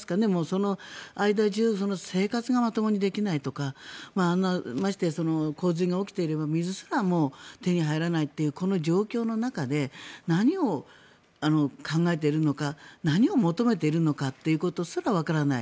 その間中生活がまともにできないとかましてや洪水が起きていれば水すらも手に入らないというこの状況の中で何を考えているのか何を求めているのかということすらわからない。